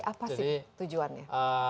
apa sih tujuannya